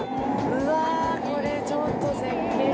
うわこれちょっと絶景かも。